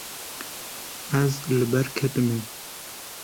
Ez li ber ketime.